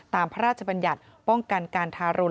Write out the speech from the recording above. พระราชบัญญัติป้องกันการทารุณ